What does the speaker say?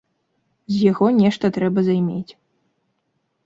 З яго нешта трэба займець.